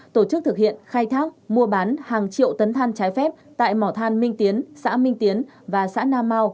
tổ chức thực hiện khai thác mua bán hàng triệu tấn than trái phép tại mỏ than minh tiến xã minh tiến và xã nam mau